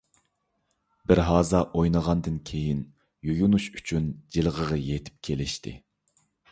بىرھازا ئوينىغاندىن كېيىن، يۇيۇنۇش ئۈچۈن جىلغىغا يېتىپ كېلىشتى.